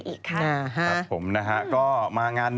พี่ชอบแซงไหลทางอะเนาะ